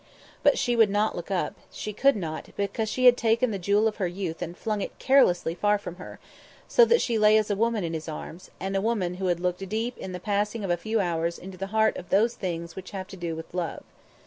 But she would not look up; she could not, because she had taken the jewel of her youth and flung it carelessly far from her, so that she lay as a woman in his arms, and a woman who had looked deep in the passing of a few hours into the heart of those things which have to do with love.